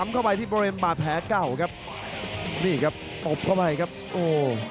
เข้าไปที่บริเวณบาดแผลเก่าครับนี่ครับตบเข้าไปครับโอ้